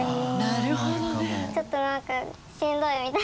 なるほどね。